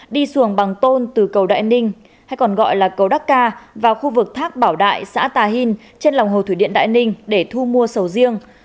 đi xuồng bằng tôn từ cầu đại ninh hay còn gọi là cầu đắc ca vào khu vực thác bảo đại xã tà hìn trên lòng hồ thủy điện đại ninh để thu mua sầu riêng